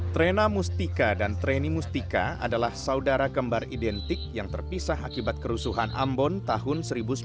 trena mustika dan treni mustika adalah saudara kembar identik yang terpisah akibat kerusuhan ambon tahun seribu sembilan ratus sembilan puluh